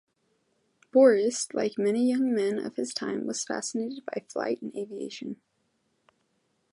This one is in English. Boris, like many young men of his time, was fascinated by flight and aviation.